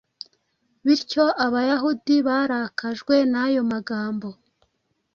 Bityo Abayahudi barakajwe n’ayo magambo.